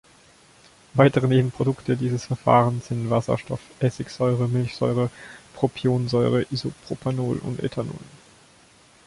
Weitere Nebenprodukte dieses Verfahrens sind Wasserstoff, Essigsäure, Milchsäure, Propionsäure, Isopropanol und Ethanol.